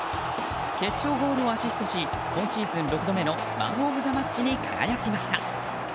決勝ゴールをアシストし今シーズン６度目のマン・オブ・ザ・マッチに輝きました。